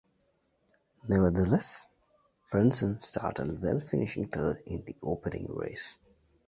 Nevertheless, Frentzen started well finishing third in the opening race.